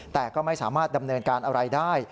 แต่ก็ไม่สามารถดำเนินการอะไรได้